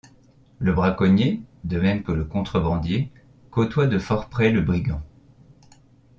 Le braconnier, de même que le contrebandier, côtoie de fort près le brigand.